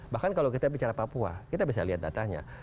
bahkan kalau kita bicara papua kita bisa lihat datanya